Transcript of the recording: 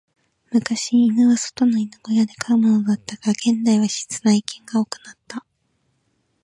昔、犬は外の犬小屋で飼うものだったが、現代は室内犬が多くなった。